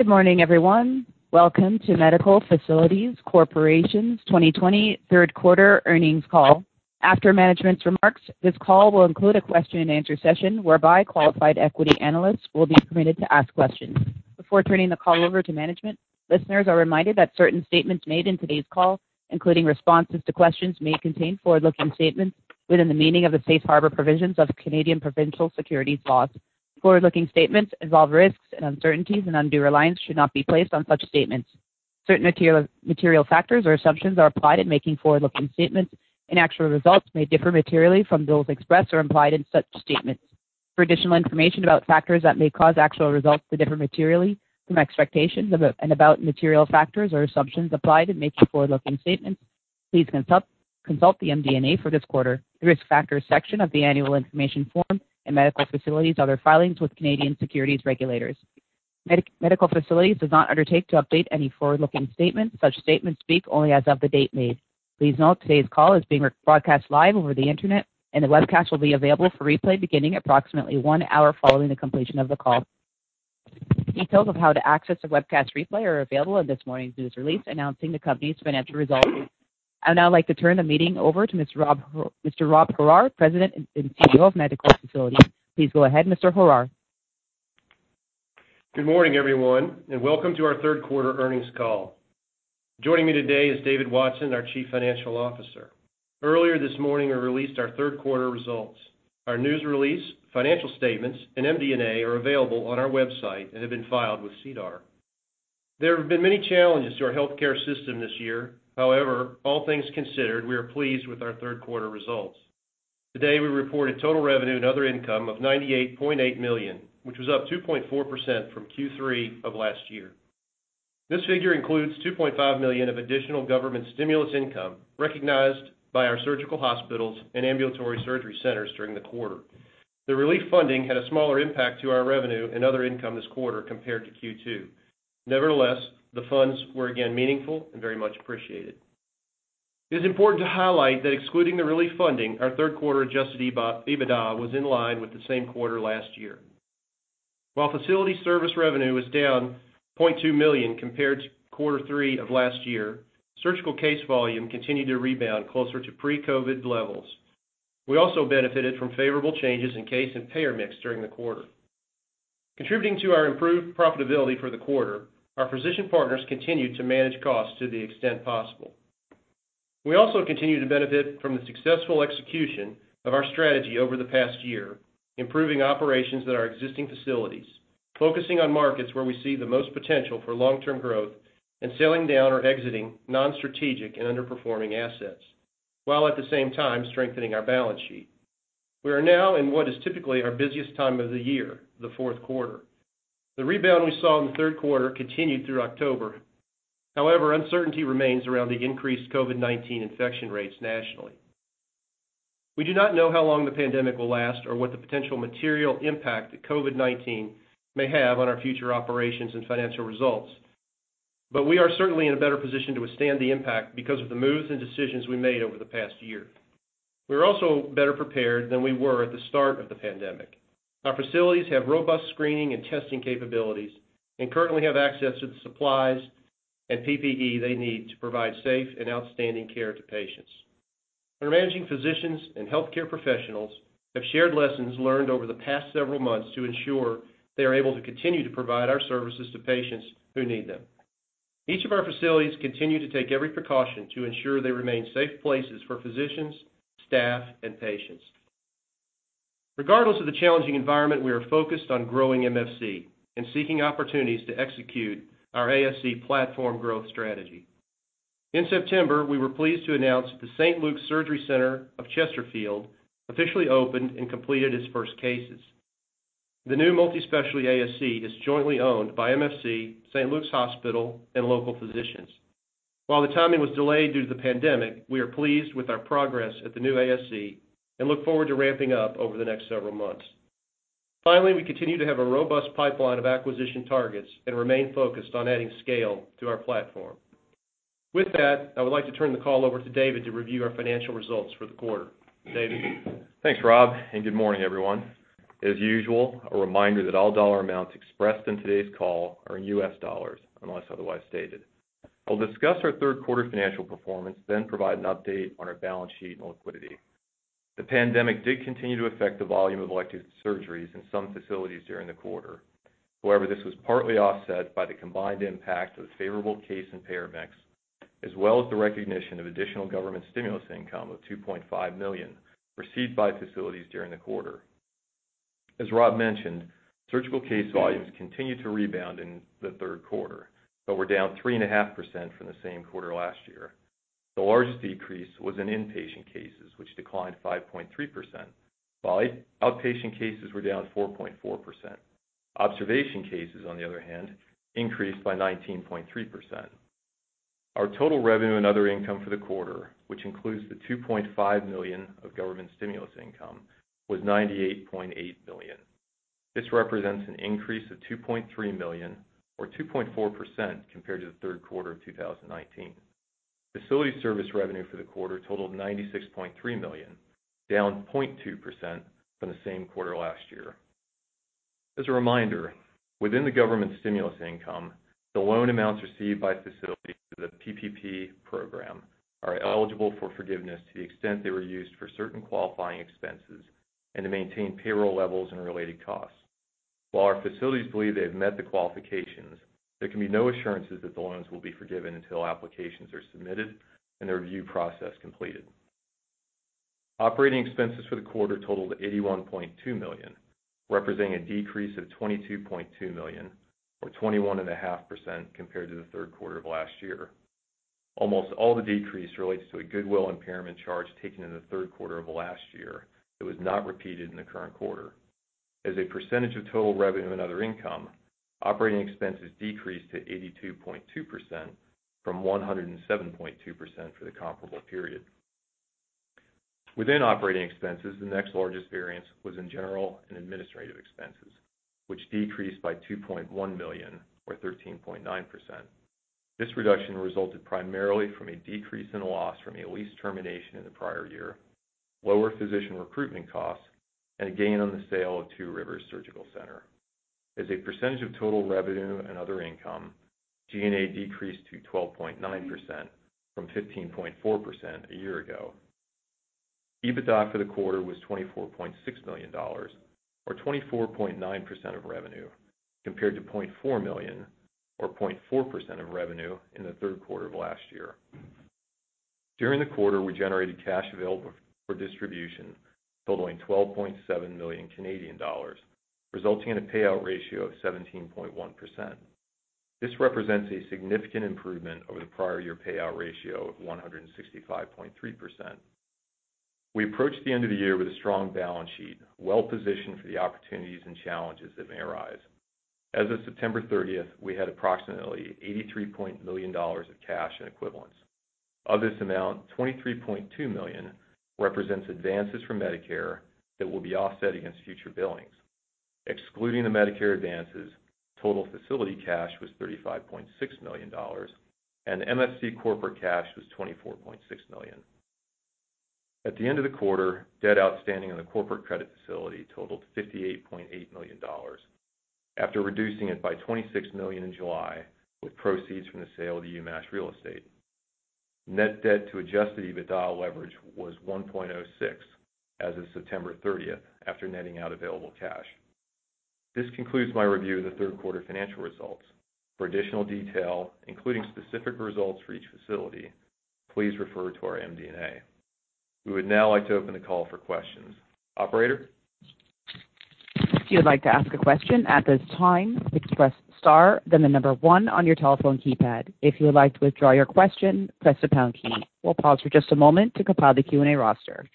Good morning, everyone. Welcome to Medical Facilities Corporation's 2020 third quarter earnings call. After management's remarks, this call will include a question and answer session whereby qualified equity analysts will be permitted to ask questions. Before turning the call over to management, listeners are reminded that certain statements made in today's call, including responses to questions, may contain forward-looking statements within the meaning of the safe harbor provisions of Canadian provincial securities laws. Forward-looking statements involve risks and uncertainties, and undue reliance should not be placed on such statements. Certain material factors or assumptions are applied in making forward-looking statements, and actual results may differ materially from those expressed or implied in such statements For additional information about factors that may cause actual results to differ materially from expectations and about material factors or assumptions applied in making forward-looking statements, please consult the MD&A for this quarter, the Risk Factors section of the annual information form, and Medical Facilities' other filings with Canadian securities regulators. Medical Facilities does not undertake to update any forward-looking statements. Such statements speak only as of the date made. Please note, today's call is being broadcast live over the internet, and the webcast will be available for replay beginning approximately one hour following the completion of the call. Details of how to access the webcast replay are available in this morning's news release announcing the company's financial results. I'd now like to turn the meeting over to Mr. Robert Horrar, President and CEO of Medical Facilities. Please go ahead, Mr. Horrar. Good morning, everyone, and welcome to our third quarter earnings call. Joining me today is David Watson, our Chief Financial Officer. Earlier this morning, we released our third quarter results. Our news release, financial statements, and MD&A are available on our website and have been filed with SEDAR. There have been many challenges to our healthcare system this year. However, all things considered, we are pleased with our third quarter results. Today, we reported total revenue and other income of $98.8 million, which was up 2.4% from Q3 of last year. This figure includes $2.5 million of additional government stimulus income recognized by our surgical hospitals and ambulatory surgery centers during the quarter. The relief funding had a smaller impact to our revenue and other income this quarter compared to Q2. Nevertheless, the funds were again meaningful and very much appreciated. It is important to highlight that excluding the relief funding, our third quarter adjusted EBITDA was in line with the same quarter last year. While facility service revenue was down $0.2 million compared to quarter three of last year, surgical case volume continued to rebound closer to pre-COVID levels. We also benefited from favorable changes in case and payer mix during the quarter. Contributing to our improved profitability for the quarter, our physician partners continued to manage costs to the extent possible. We also continue to benefit from the successful execution of our strategy over the past year, improving operations at our existing facilities, focusing on markets where we see the most potential for long-term growth, and selling down or exiting non-strategic and underperforming assets, while at the same time strengthening our balance sheet. We are now in what is typically our busiest time of the year, the fourth quarter. The rebound we saw in the third quarter continued through October. However, uncertainty remains around the increased COVID-19 infection rates nationally. We do not know how long the pandemic will last or what the potential material impact that COVID-19 may have on our future operations and financial results. We are certainly in a better position to withstand the impact because of the moves and decisions we made over the past year. We are also better prepared than we were at the start of the pandemic. Our facilities have robust screening and testing capabilities and currently have access to the supplies and PPE they need to provide safe and outstanding care to patients. Our managing physicians and healthcare professionals have shared lessons learned over the past several months to ensure they are able to continue to provide our services to patients who need them. Each of our facilities continue to take every precaution to ensure they remain safe places for physicians, staff, and patients. Regardless of the challenging environment, we are focused on growing MFC and seeking opportunities to execute our ASC platform growth strategy. In September, we were pleased to announce that the St. Luke's Surgery Center of Chesterfield officially opened and completed its first cases. The new multi-specialty ASC is jointly owned by MFC, St. Luke's Hospital, and local physicians. While the timing was delayed due to the pandemic, we are pleased with our progress at the new ASC and look forward to ramping up over the next several months. Finally, we continue to have a robust pipeline of acquisition targets and remain focused on adding scale to our platform. With that, I would like to turn the call over to David to review our financial results for the quarter. David? Thanks, Rob, and good morning, everyone. As usual, a reminder that all dollar amounts expressed in today's call are in U.S. dollars, unless otherwise stated. I'll discuss our third quarter financial performance, then provide an update on our balance sheet and liquidity. The pandemic did continue to affect the volume of elective surgeries in some facilities during the quarter. However, this was partly offset by the combined impact of the favorable case and payer mix, as well as the recognition of additional government stimulus income of $2.5 million received by facilities during the quarter. As Rob mentioned, surgical case volumes continued to rebound in the third quarter but were down 3.5% from the same quarter last year. The largest decrease was in inpatient cases, which declined 5.3%, while outpatient cases were down 4.4%. Observation cases, on the other hand, increased by 19.3%. Our total revenue and other income for the quarter, which includes the $2.5 million of government stimulus income, was $98.8 million. This represents an increase of $2.3 million or 2.4% compared to the third quarter of 2019. Facility service revenue for the quarter totaled $96.3 million, down 0.2% from the same quarter last year. As a reminder, within the government stimulus income, the loan amounts received by facilities through the PPP program are eligible for forgiveness to the extent they were used for certain qualifying expenses and to maintain payroll levels and related costs. While our facilities believe they have met the qualifications, there can be no assurances that the loans will be forgiven until applications are submitted and the review process completed. Operating expenses for the quarter totaled $81.2 million, representing a decrease of $22.2 million or 21.5% compared to the third quarter of last year. Almost all the decrease relates to a goodwill impairment charge taken in the third quarter of last year that was not repeated in the current quarter. As a percentage of total revenue and other income, operating expenses decreased to 82.2% from 107.2% for the comparable period. Within operating expenses, the next largest variance was in general and administrative expenses, which decreased by $2.1 million or 13.9%. This reduction resulted primarily from a decrease in loss from a lease termination in the prior year, lower physician recruitment costs, and a gain on the sale of Two Rivers Surgical Center. As a percentage of total revenue and other income, G&A decreased to 12.9% from 15.4% a year ago. EBITDA for the quarter was $24.6 million or 24.9% of revenue compared to $0.4 million or 0.4% of revenue in the third quarter of last year. During the quarter, we generated cash available for distribution totaling 12.7 million Canadian dollars, resulting in a payout ratio of 17.1%. This represents a significant improvement over the prior year payout ratio of 165.3%. We approached the end of the year with a strong balance sheet, well-positioned for the opportunities and challenges that may arise. As of September 30th, we had approximately $83 million of cash and equivalents. Of this amount, $23.2 million represents advances from Medicare that will be offset against future billings. Excluding the Medicare advances, total facility cash was $35.6 million, and MFC corporate cash was $24.6 million. At the end of the quarter, debt outstanding in the corporate credit facility totaled $58.8 million, after reducing it by $26 million in July with proceeds from the sale of the UMASH real estate. Net debt to adjusted EBITDA leverage was 1.06 as of September 30th, after netting out available cash. This concludes my review of the third quarter financial results. For additional detail, including specific results for each facility, please refer to our MD&A. We would now like to open the call for questions. Operator? If you like to question at this time, please press star then the number one on your telephone keypad. If you like to withdraw your question, press the pound key. We'll pause for just a moment to compile the Q&A roster.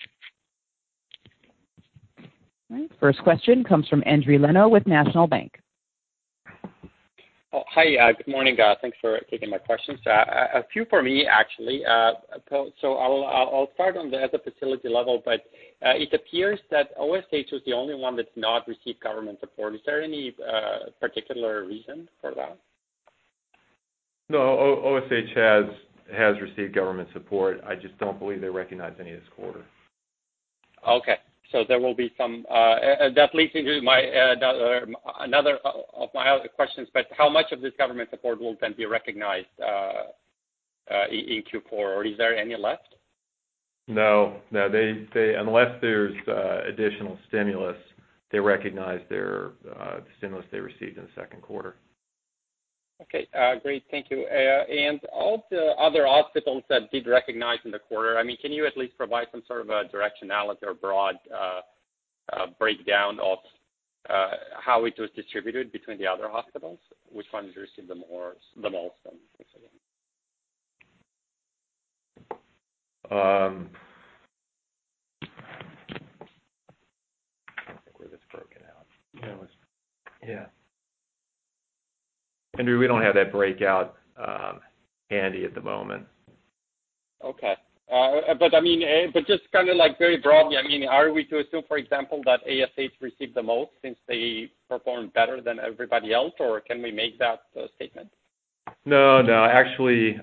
All right. First question comes from Endri Leno with National Bank. Oh, hi. Good morning. Thanks for taking my questions. A few for me, actually. I'll start on at the facility level, but it appears that OSH was the only one that's not received government support. Is there any particular reason for that? No, OSH has received government support. I just don't believe they recognized any this quarter. Okay. That leads into another of my other questions, how much of this government support will then be recognized in Q4? Is there any left? No. Unless there's additional stimulus, they recognized their stimulus they received in the second quarter. Okay. Great. Thank you. All the other hospitals that did recognize in the quarter, can you at least provide some sort of a directionality or broad breakdown of how it was distributed between the other hospitals? Which ones received the most, basically? We don't have that breakout handy at the moment. Okay. Just very broadly, are we to assume, for example, that ASH received the most since they performed better than everybody else, or can we make that statement? No, actually.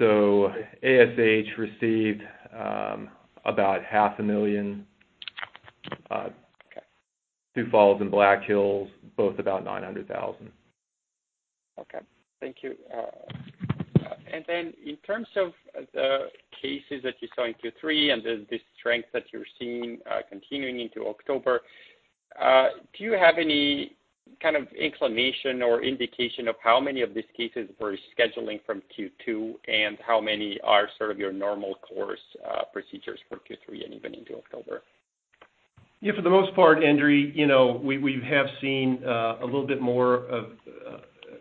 ASH received about [$500,000], Sioux Falls and Black Hills, both about $900,000. Okay. Thank you. In terms of the cases that you saw in Q3 and the strength that you're seeing continuing into October, do you have any kind of inclination or indication of how many of these cases were scheduling from Q2 and how many are sort of your normal course procedures for Q3 and even into October? Yeah, for the most part, Endri, we have seen a little bit more of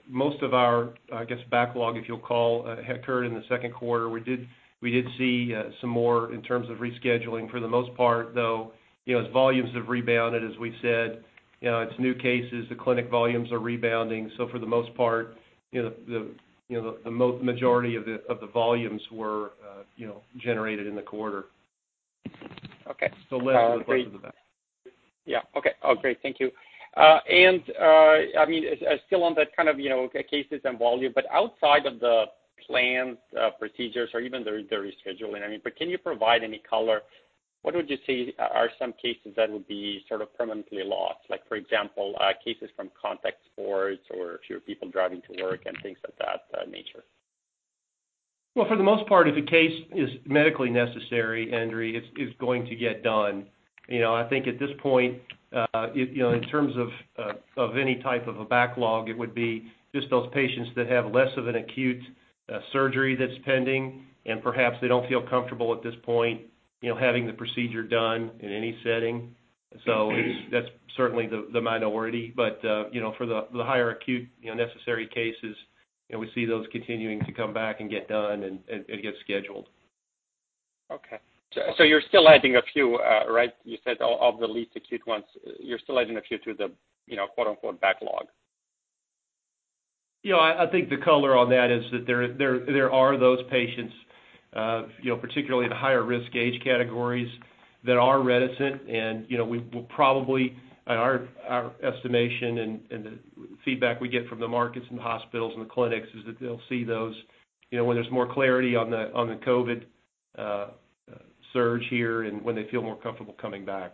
most of our, I guess, backlog, if you'll call, had occurred in the second quarter. We did see some more in terms of rescheduling. For the most part, though, as volumes have rebounded, as we've said, it's new cases. The clinic volumes are rebounding. For the most part, the majority of the volumes were generated in the quarter. Okay. Yeah. Okay, great. Thank you. Still on that cases and volume, but outside of the plans, procedures, or even the rescheduling, but can you provide any color? What would you say are some cases that would be permanently lost? Like for example, cases from contact sports or fewer people driving to work and things of that nature. Well, for the most part, if a case is medically necessary, Endri, it's going to get done. I think at this point, in terms of any type of a backlog, it would be just those patients that have less of an acute surgery that's pending, and perhaps they don't feel comfortable at this point, having the procedure done in any setting. That's certainly the minority. For the higher acute necessary cases, we see those continuing to come back and get done and get scheduled. Okay. You're still adding a few, right? You said of the least acute ones, you're still adding a few to the "backlog". I think the color on that is that there are those patients, particularly in the higher risk age categories that are reticent and we will probably, our estimation and the feedback we get from the markets and the hospitals and the clinics, is that they'll see those when there's more clarity on the COVID surge here and when they feel more comfortable coming back.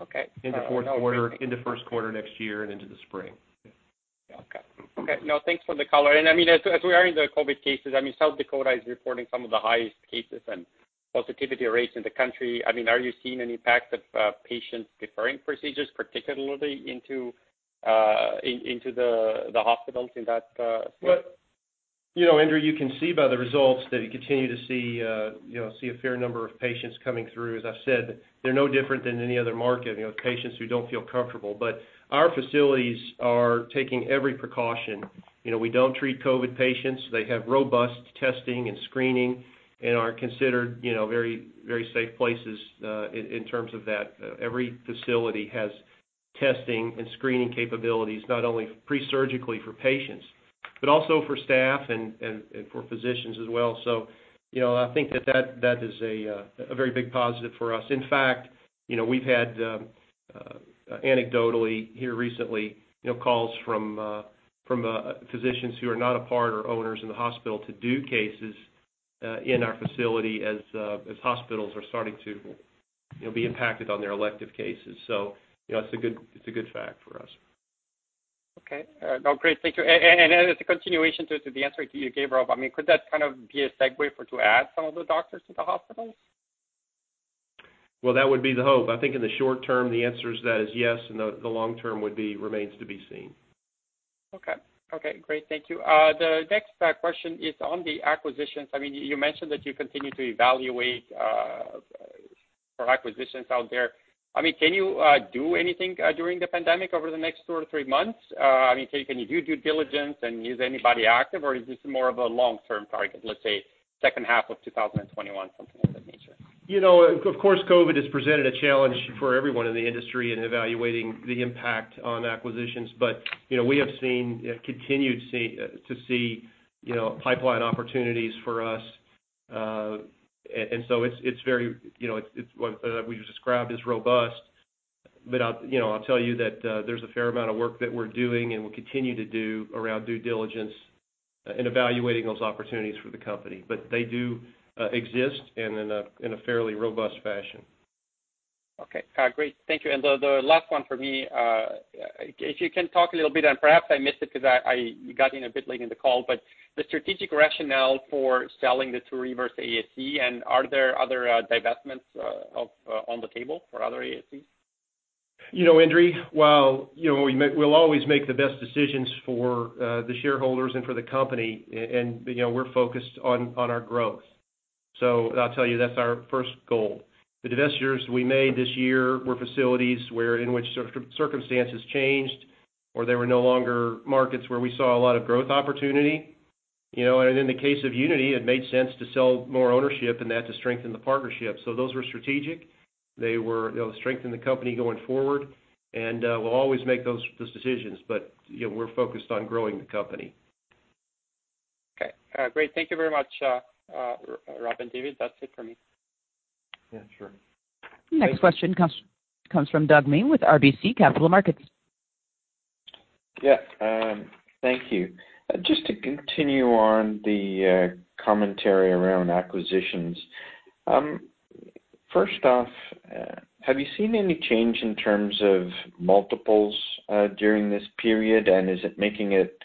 Okay. In the fourth quarter, into first quarter next year, and into the spring. Okay. No, thanks for the color. As we are in the COVID cases, South Dakota is reporting some of the highest cases and positivity rates in the country. Are you seeing any impacts of patients deferring procedures, particularly into the hospitals in that state? Endri, you can see by the results that you continue to see a fair number of patients coming through. As I've said, they're no different than any other market, patients who don't feel comfortable. Our facilities are taking every precaution. We don't treat COVID patients. They have robust testing and screening and are considered very safe places in terms of that. Every facility has testing and screening capabilities, not only pre-surgically for patients, but also for staff and for physicians as well. I think that is a very big positive for us. In fact, we've had anecdotally here recently, calls from physicians who are not a part or owners in the hospital to do cases in our facility as hospitals are starting to be impacted on their elective cases. It's a good fact for us. Okay. No, great. Thank you. As a continuation to the answer that you gave, Rob, could that be a segue for to add some of the doctors to the hospitals? Well, that would be the hope. I think in the short term, the answer to that is yes, and the long term remains to be seen. Okay. Great. Thank you. The next question is on the acquisitions. You mentioned that you continue to evaluate for acquisitions out there. Can you do anything during the pandemic over the next two or three months? Can you do due diligence and is anybody active, or is this more of a long-term target, let's say second half of 2021, something of that nature? Of course, COVID has presented a challenge for everyone in the industry in evaluating the impact on acquisitions. We have continued to see pipeline opportunities for us. It's very, what we've described as robust. I'll tell you that there's a fair amount of work that we're doing and will continue to do around due diligence and evaluating those opportunities for the company. They do exist and in a fairly robust fashion. Okay. Great. Thank you. The last one for me, if you can talk a little bit, and perhaps I missed it because I got in a bit late in the call, but the strategic rationale for selling the Two Rivers ASC, and are there other divestments on the table for other ASCs? Endri, while we'll always make the best decisions for the shareholders and for the company, we're focused on our growth. I'll tell you, that's our first goal. The divestitures we made this year were facilities where in which circumstances changed, or they were no longer markets where we saw a lot of growth opportunity. In the case of Unity, it made sense to sell more ownership and that to strengthen the partnership. Those were strategic. They will strengthen the company going forward, and we'll always make those decisions, but we're focused on growing the company. Okay. Great. Thank you very much, Rob and David. That's it for me. Yeah, sure. Next question comes from Doug Miehm with RBC Capital Markets. Thank you. Just to continue on the commentary around acquisitions. First off, have you seen any change in terms of multiples during this period, and is it making it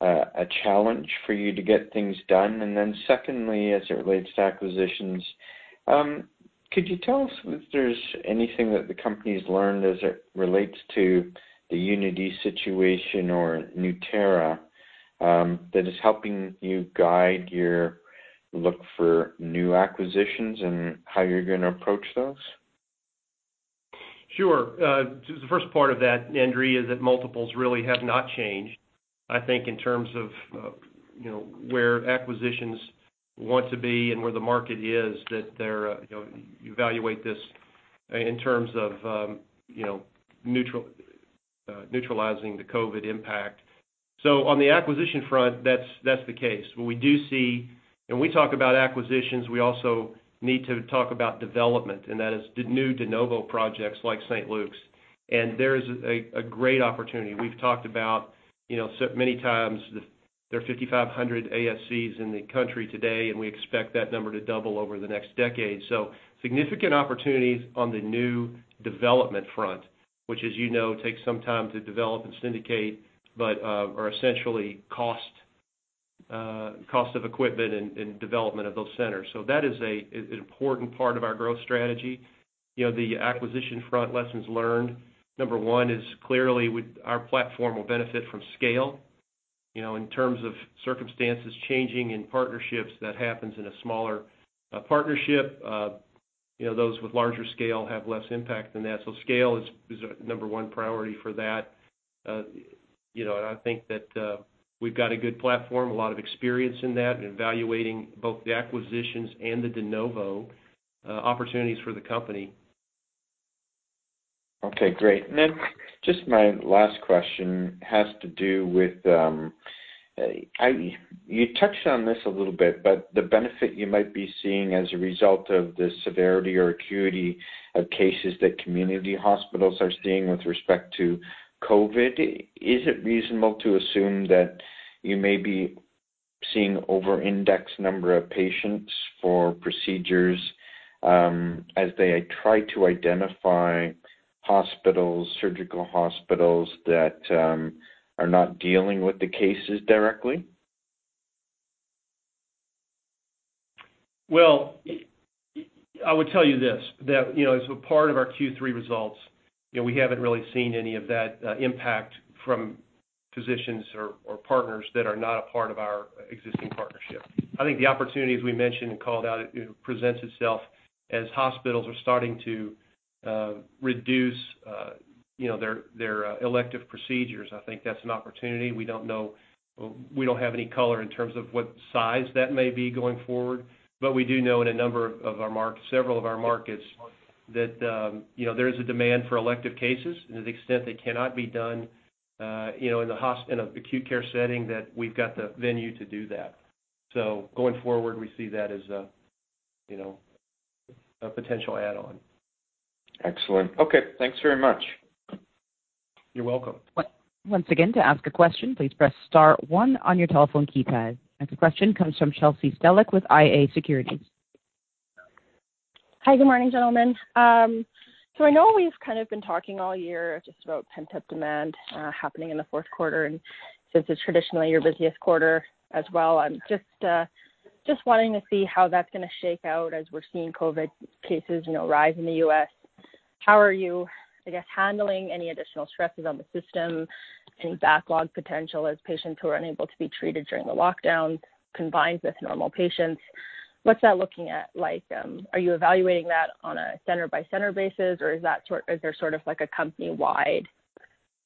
a challenge for you to get things done? Then secondly, as it relates to acquisitions, could you tell us if there's anything that the company's learned as it relates to the Unity situation or Nueterra, that is helping you guide your look for new acquisitions and how you're going to approach those? Sure. The first part of that, is that multiples really have not changed. I think in terms of where acquisitions want to be and where the market is, that you evaluate this in terms of neutralizing the COVID-19 impact. On the acquisition front, that's the case. When we talk about acquisitions, we also need to talk about development, and that is the new de novo projects like St. Luke's. There is a great opportunity. We've talked about, many times, there are 5,500 ASCs in the country today, and we expect that number to double over the next decade. Significant opportunities on the new development front, which, as you know, takes some time to develop and syndicate, but are essentially cost of equipment and development of those centers. That is a important part of our growth strategy. The acquisition front lessons learned, number one, is clearly our platform will benefit from scale. In terms of circumstances changing and partnerships, that happens in a smaller partnership. Those with larger scale have less impact than that. Scale is a number one priority for that. I think that we've got a good platform, a lot of experience in that, in evaluating both the acquisitions and the de novo opportunities for the company. Okay, great. Just my last question has to do with, you touched on this a little bit, but the benefit you might be seeing as a result of the severity or acuity of cases that community hospitals are seeing with respect to COVID. Is it reasonable to assume that you may be seeing over index number of patients for procedures, as they try to identify surgical hospitals that are not dealing with the cases directly? Well, I would tell you this, that as a part of our Q3 results, we haven't really seen any of that impact from physicians or partners that are not a part of our existing partnership. I think the opportunities we mentioned and called out, presents itself as hospitals are starting to reduce their elective procedures. I think that's an opportunity. We don't have any color in terms of what size that may be going forward. We do know in several of our markets that there is a demand for elective cases, and to the extent they cannot be done in a acute care setting, that we've got the venue to do that. Going forward, we see that as a potential add-on. Excellent. Okay. Thanks very much. You're welcome. Once again, to ask a question, please press star one on your telephone keypad. Next question comes from Chelsea Stellick with iA Securities. Hi. Good morning, gentlemen. I know we've kind of been talking all year just about pent-up demand happening in the fourth quarter, and since it's traditionally your busiest quarter as well, I'm just wanting to see how that's going to shake out as we're seeing COVID cases rise in the U.S. How are you, I guess, handling any additional stresses on the system, any backlog potential as patients who are unable to be treated during the lockdown combines with normal patients? What's that looking at like? Are you evaluating that on a center-by-center basis, or is there sort of like a company-wide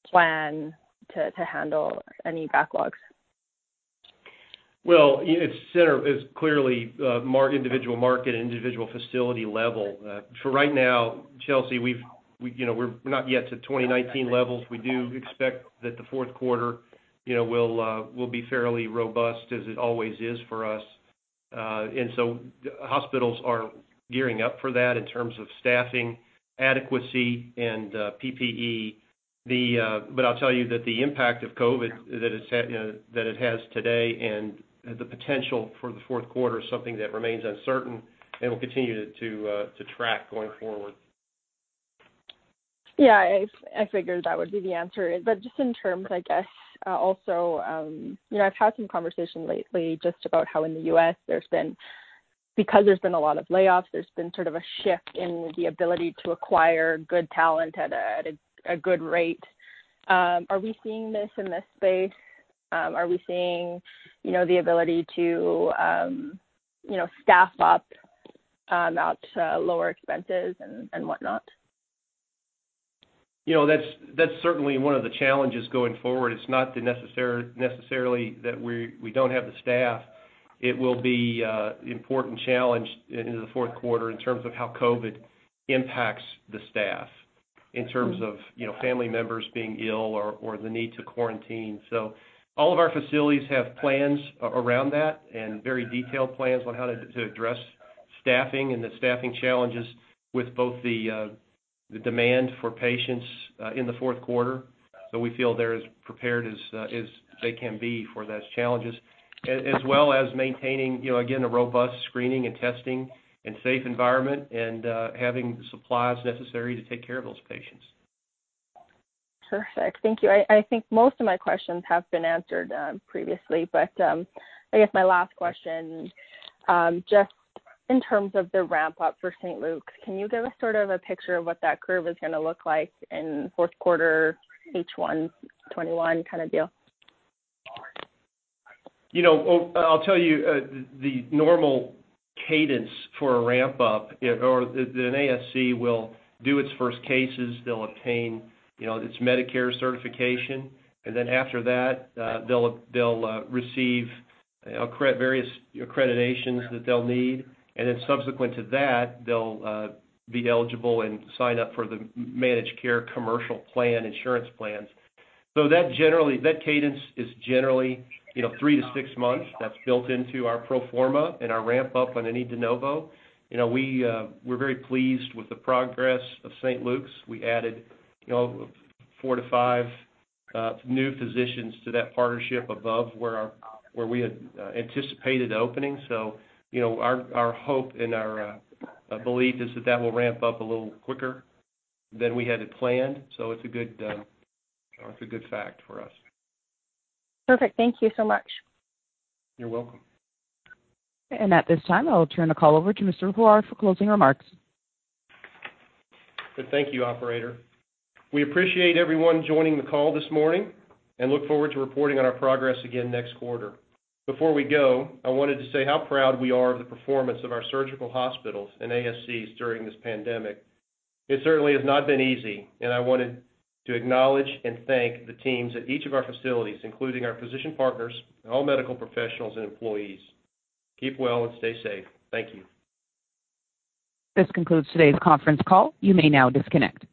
plan to handle any backlogs? It's clearly individual market and individual facility level. For right now, Chelsea, we're not yet to 2019 levels. We do expect that the fourth quarter will be fairly robust as it always is for us. Hospitals are gearing up for that in terms of staffing adequacy and PPE. I'll tell you that the impact of COVID that it has today and the potential for the fourth quarter is something that remains uncertain and we'll continue to track going forward. Yeah. I figured that would be the answer. Just in terms, I guess, also, I've had some conversation lately just about how in the U.S., because there's been a lot of layoffs, there's been sort of a shift in the ability to acquire good talent at a good rate. Are we seeing this in this space? Are we seeing the ability to staff up at lower expenses and whatnot? That's certainly one of the challenges going forward. It's not necessarily that we don't have the staff. It will be an important challenge into the fourth quarter in terms of how COVID impacts the staff in terms of family members being ill or the need to quarantine. All of our facilities have plans around that and very detailed plans on how to address staffing and the staffing challenges with both the demand for patients in the fourth quarter. We feel they're as prepared as they can be for those challenges, as well as maintaining, again, a robust screening and testing and safe environment and having the supplies necessary to take care of those patients. Perfect. Thank you. I think most of my questions have been answered previously, but I guess my last question, just in terms of the ramp up for St. Luke's, can you give us sort of a picture of what that curve is going to look like in fourth quarter, H1 2021 kind of deal? I'll tell you, the normal cadence for a ramp up, an ASC will do its first cases. They'll obtain its Medicare certification, and then after that, they'll receive various accreditations that they'll need. Subsequent to that, they'll be eligible and sign up for the managed care commercial plan insurance plans. That cadence is generally three-six months. That's built into our pro forma and our ramp up on any de novo. We're very pleased with the progress of St. Luke's. We added four-five new physicians to that partnership above where we had anticipated opening. Our hope and our belief is that will ramp up a little quicker than we had it planned. It's a good fact for us. Perfect. Thank you so much. You're welcome. At this time, I'll turn the call over to Mr. Horrar for closing remarks. Thank you, operator. We appreciate everyone joining the call this morning and look forward to reporting on our progress again next quarter. Before we go, I wanted to say how proud we are of the performance of our surgical hospitals and ASCs during this pandemic. It certainly has not been easy, and I wanted to acknowledge and thank the teams at each of our facilities, including our physician partners and all medical professionals and employees. Keep well and stay safe. Thank you. This concludes today's conference call. You may now disconnect.